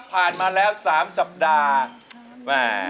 ผ่านมาแล้วสามสัปดาห์